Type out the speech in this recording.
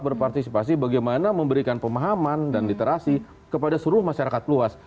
berpartisipasi bagaimana memberikan pemahaman dan literasi kepada seluruh masyarakat luas